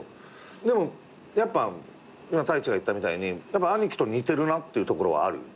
でも今太一が言ったみたいに兄貴と似てるなってところはある？